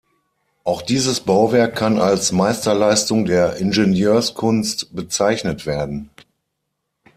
Auch dieses Bauwerk kann als Meisterleistung der Ingenieurskunst bezeichnet werden.